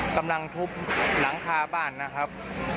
กำลังทุบหลังคาบ้านนะครับ